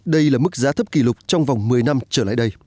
đây là mức giá thấp kỷ lục trong vòng một mươi năm trở lại đây